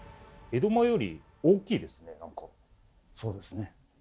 そうですね。